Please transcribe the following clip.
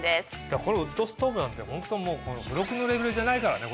このウッドストーブなんてホントもう付録のレベルじゃないからね